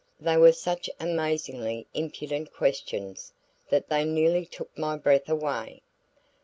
They were such amazingly impudent questions that they nearly took my breath away.